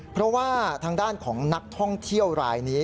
เพราะว่าทางด้านของนักท่องเที่ยวรายนี้